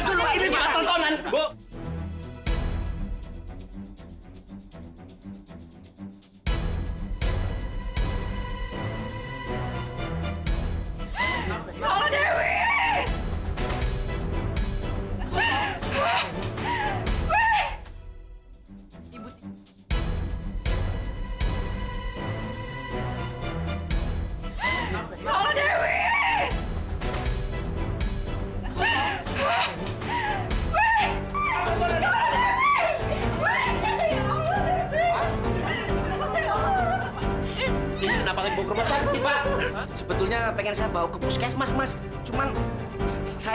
kelihatan kasih hikmah